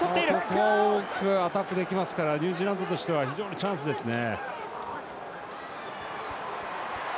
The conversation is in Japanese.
もう一度アタックできるのでニュージーランドとしては非常にチャンスですね。